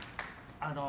あの。